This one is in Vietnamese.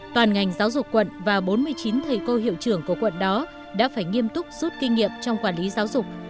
toàn ngành giáo dục quận và bốn mươi chín thầy cô hiệu trưởng của quận đó đã phải nghiêm túc rút kinh nghiệm trong quản lý giáo dục